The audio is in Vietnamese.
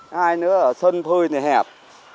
hay nữa là sân phơi hẹp